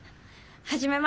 初めまして。